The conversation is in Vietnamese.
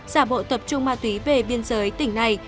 giả bộ tập trung ma túy về biên giới tỉnh này